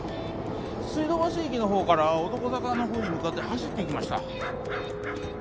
水道橋駅の方から男坂の方に向かって走っていきました